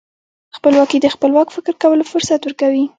خپلواکي د خپلواک فکر کولو فرصت ورکوي.